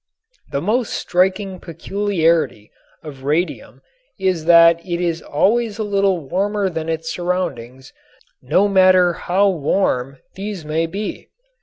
The most striking peculiarity of radium is that it is always a little warmer than its surroundings, no matter how warm these may be.